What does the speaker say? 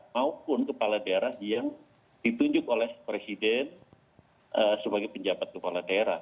maupun kepala daerah yang ditunjuk oleh presiden sebagai penjabat kepala daerah